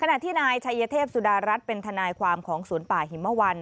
ขณะที่นายชายเยเทพสุดารัฐเป็นธนัยความห์ของสวนป่าหิมวัน